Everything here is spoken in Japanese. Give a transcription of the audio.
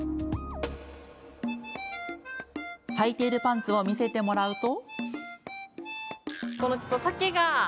はいているパンツを見せてもらうと。